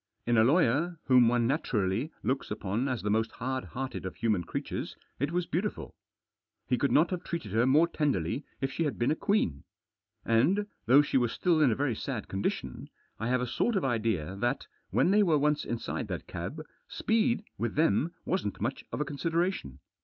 In a lawyer, whom one naturally looks upon as the most hard hearted of human crea Digitized by Google DISCUSSION BETWEEN THE SEVERAL PARTIES. 209 tures, it was beautiful. He could not have treated her more tenderly if she had been a queen. And, though she was still in a very sad condition, I have a sort of idea that, when they were once inside that cab, speed with them wasn't much of a consideration.